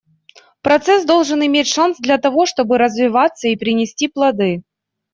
Процесс должен иметь шанс для того, чтобы развиваться и принести плоды.